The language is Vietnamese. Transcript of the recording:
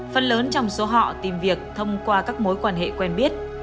phần lớn trong số họ tìm việc thông qua các mối quan hệ quen biết